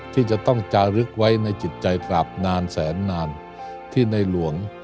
ที่จะต้องจารึกไว้ในจิตใจกราบนานแสนนานที่ในหลวง